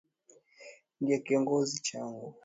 Ndiye Kiongozi changu.